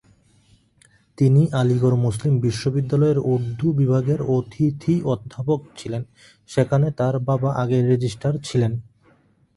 তিনি আলিগড় মুসলিম বিশ্ববিদ্যালয়ের উর্দু বিভাগের অতিথি অধ্যাপক ছিলেন, সেখানে তার বাবা আগে রেজিস্ট্রার ছিলেন।